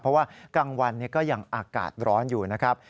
เพราะว่ากลางวันก็ยังอากาศร้อนอยู่นะครับ